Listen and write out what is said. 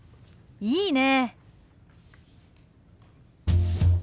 いいねえ。